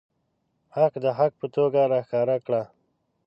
حق د حق په توګه راښکاره کړه.